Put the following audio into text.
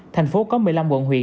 thành phố có một mươi năm quận huyện